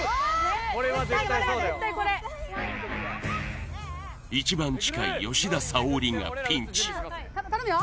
これは絶対そうだよ一番近い吉田沙保里がピンチ頼むよ